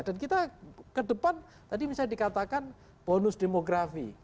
dan kita ke depan tadi bisa dikatakan bonus demografi